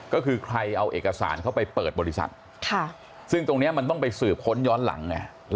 ก็คือใครเอาเอกสารเข้าไปเปิดบริษัทซึ่งตรงนี้มันต้องไปสืบค้นย้อนหลังไง